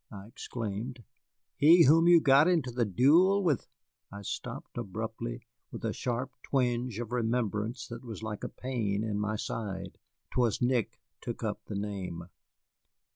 I exclaimed; "he whom you got into the duel with " I stopped abruptly, with a sharp twinge of remembrance that was like a pain in my side. 'Twas Nick took up the name.